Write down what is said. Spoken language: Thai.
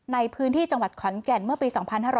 ในพื้นที่จังหวัดขอนแก่นเมื่อปี๒๕๕๙